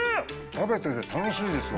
食べてて楽しいですよ。